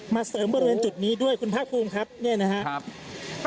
เสริมบริเวณจุดนี้ด้วยคุณภาคภูมิครับเนี่ยนะครับ